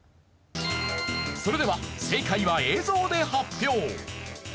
それでは正解は映像で発表。